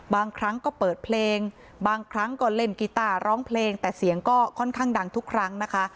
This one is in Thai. บางครั้งก็เปิดเพลงบางครั้งก็เล่นกีต้าร้องเพลงแต่เสียงก็ค่อนข้างดังทุกครั้งนะคะ